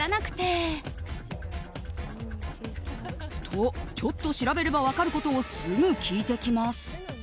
と、ちょっと調べれば分かることをすぐ聞いてきます。